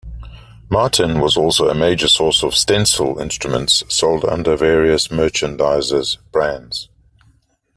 Martin was also a major source of "stencil" instruments sold under various merchandisers' brands.